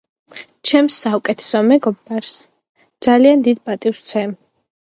ჩემს საუკეთესო მეგობრებს ძალიან დიდ პატივს ვცემ